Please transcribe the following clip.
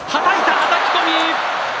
はたき込み。